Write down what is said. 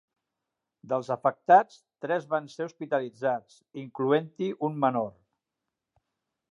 Dels afectats, tres van ser hospitalitzats, incloent-hi un menor.